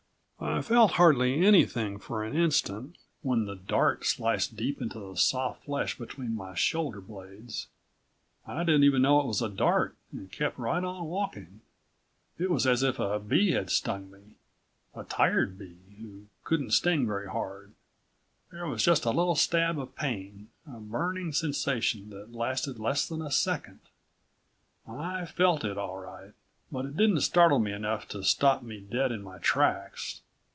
I felt hardly anything for an instant when the dart sliced deep into the soft flesh between my shoulder blades. I didn't even know it was a dart and kept right on walking. It was as if a bee had stung me a tired bee who couldn't sting very hard. There was just a little stab of pain, a burning sensation that lasted less than a second. I felt it, all right. But it didn't startle me enough to stop me dead in my tracks.